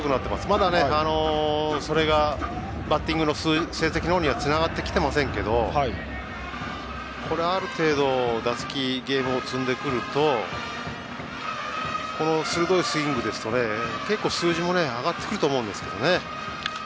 まだそれがバッティングの成績の方にはつながってきていませんけどもこれは、ある程度ゲームを積んでくるとこの鋭いスイングですと結構、数字も上がってくると思うんですけどね。